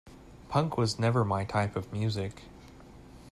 Punk was never my type of music.